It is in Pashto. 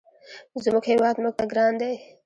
زموږ هېواد موږ ته ګران دی.